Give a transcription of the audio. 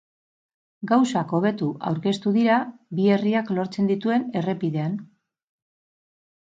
Gauzak hobeto aurkeztu dira bi herriak lortzen dituen errepidean.